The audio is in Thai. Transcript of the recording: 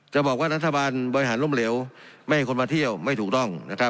จะบอกว่ารัฐบาลบริหารล้มเหลวไม่ให้คนมาเที่ยวไม่ถูกต้องนะครับ